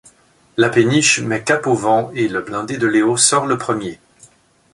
La péniche met cap au vent et le blindé de Léo sort le premier.